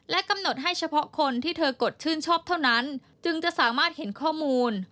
กำหนดให้เฉพาะคนที่เธอกดชื่นชอบเท่านั้นจึงจะสามารถเห็นข้อมูล